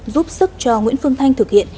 giúp sức cho nguyễn phương thanh thực hiện